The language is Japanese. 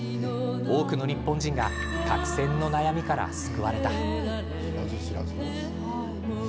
多くの日本人が角栓の悩みから救われた。